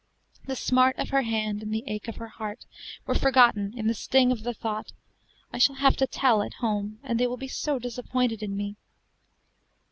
The smart of her hand, and the ache of her heart, were forgotten in the sting of the thought, "I shall have to tell at home, and they will be so disappointed in me!"